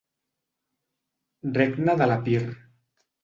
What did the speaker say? Regne de l'Epir.